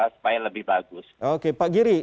supaya lebih bagus oke pak giri